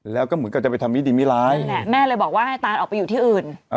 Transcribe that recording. แล้วก็เหมือนกับจะไปทำมิดีมิร้ายนี่แหละแม่เลยบอกว่าให้ตานออกไปอยู่ที่อื่น